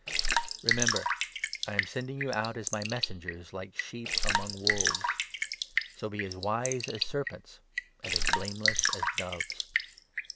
Remember, I am sendingyou out as my Messengers like sheep 16 among wolves. So be as wise as serpents, and as blameless as 17 doves.